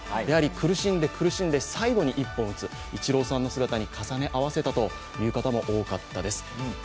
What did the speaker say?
苦しんで苦しんで最後に１本打つ、イチローさんの姿に重ね合わせたという方も多かったようです。